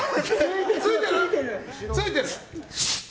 ついてる？